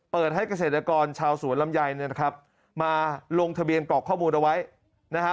ให้เกษตรกรชาวสวนลำไยเนี่ยนะครับมาลงทะเบียนกรอกข้อมูลเอาไว้นะฮะ